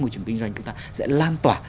môi trường kinh doanh chúng ta sẽ lan tỏa